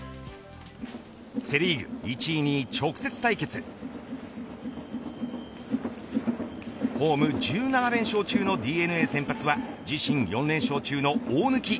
セ・リーグ１位、２位直接対決ホーム１７連勝中のＤｅＮＡ、先発は自身４連勝中の大貫。